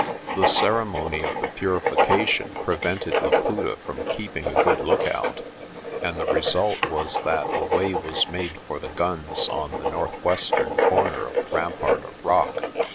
The ceremony of the purification prevented Laputa from keeping a good lookout, and the result was that a way was made for the guns on the northwestern corner of the rampart of rock.